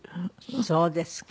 そうですか。